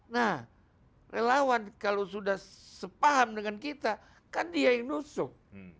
nah relawan kalau sudah sepaham dengan kita kan dia yang nusuk